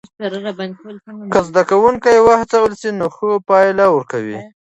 که زده کوونکي وهڅول سی نو ښه پایله ورکوي.